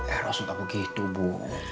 eros entah begitu bu